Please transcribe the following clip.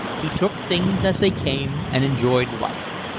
He took things as they came and enjoyed life.